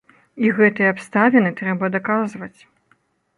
І гэтыя абставіны трэба даказваць.